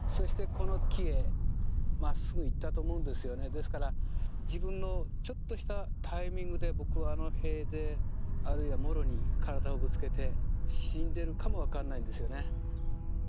ですから自分のちょっとしたタイミングで僕はあの塀であるいはもろに体をぶつけて死んでるかも分かんないんですよね。